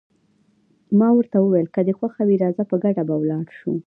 ما ورته وویل: که دې خوښه وي راځه، په ګډه به ولاړ شو.